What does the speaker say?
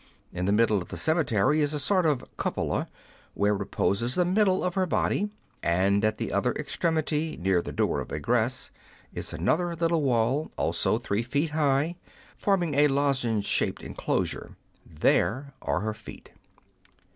In the middle of the cemetery is a sort of cupola, where reposes the middle of her body, and at the other extremity, near the door of egress, is another little wall, also three feet high, forming a lozenge shaped enclosure : there are her feet.